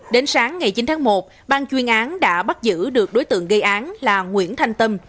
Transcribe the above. đến sáng ngày chín tháng một bang chuyên án đã bắt giữ được đối tượng gây án là nguyễn thanh tâm